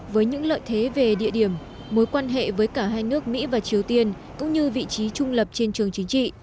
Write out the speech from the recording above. với những lợi thế về địa điểm mối quan hệ với cả hai nước mỹ và triều tiên cũng như vị trí trung lập trên trường chính trị